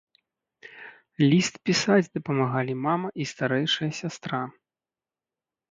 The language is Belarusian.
Ліст пісаць дапамагалі мама і старэйшая сястра.